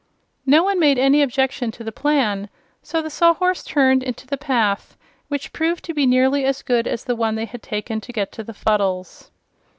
No one made any objection to this plan, so the Sawhorse turned into the path, which proved to be nearly as good as the one they had taken to get to the Fuddles.